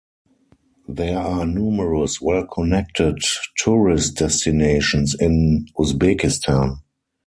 There are numerous well connected tourist destinations in Uzbekistan.